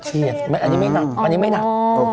เฉียด๒๕อันนี้ไม่หนักอันนี้ไม่หนัก